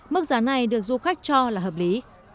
mức giá này được du khách cho là hợp lý